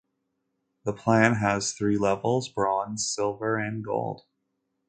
The plan has three levels: Bronze, Silver and Gold.